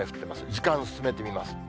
時間進めてみます。